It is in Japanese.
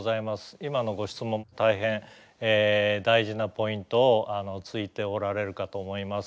今のご質問大変大事なポイントをついておられるかと思います。